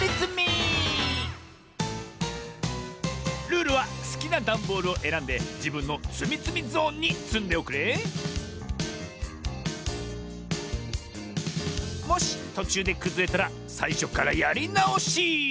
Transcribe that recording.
ルールはすきなダンボールをえらんでじぶんのつみつみゾーンにつんでおくれもしとちゅうでくずれたらさいしょからやりなおし！